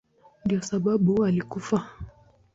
Ndiyo sababu alikufa.